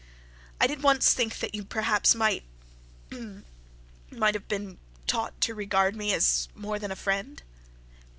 'I did once think that you perhaps might might have been taught to regard me as more than a friend.'